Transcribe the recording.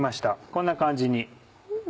こんな感じに。